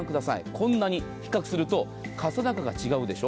こんなに比較するとかさ高が違うでしょ。